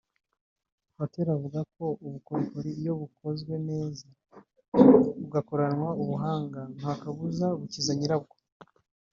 Gatera avuga ko ubukorikori iyo bukozwe neza bugakoranwa ubuhanga nta kabuza bukiza nyirabwo